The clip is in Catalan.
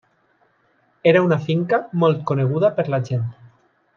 Era una finca molt coneguda per la gent.